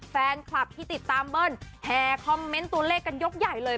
แฟนคลับที่ติดตามเบิ้ลแห่คอมเมนต์ตัวเลขกันยกใหญ่เลย